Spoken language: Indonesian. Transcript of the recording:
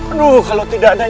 aduh kalau tidak ada